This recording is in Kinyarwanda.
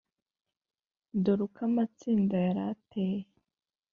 Dore uko amatsinda yari ateye